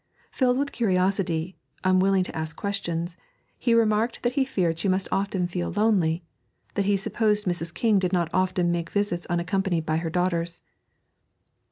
Filled with curiosity, unwilling to ask questions, he remarked that he feared she must often feel lonely, that he supposed Mrs. King did not often make visits unaccompanied by her daughters.